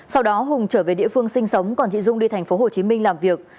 sau đó hùng trở về địa phương sinh sống còn chị dung đi tp hcm làm việc